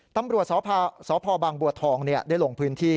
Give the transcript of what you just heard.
ตำรวจสพบางบัวทองได้ลงพื้นที่